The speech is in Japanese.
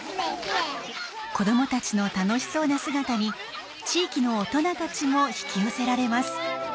子どもたちの楽しそうな姿に地域の大人たちも引き寄せられます。